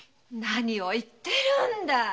何を言ってるんだ